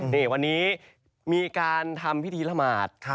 นี่วันนี้มีการทำพิธีละหมาด